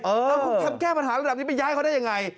เออทำแค่ปัญหาระดับนี้ไปย้ายเขาได้อย่างไร